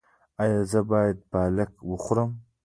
ایا زه باید پالک وخورم؟